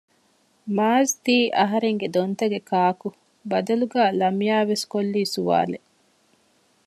މާޒްތީ އަހަރެންގެ ދޮންތަގެ ކާކު؟ ބަދަލުގައި ލަމްޔާވެސް ކޮށްލީ ސުވާލެއް